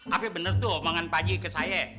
apa yang bener tuh omongan pagi ke saya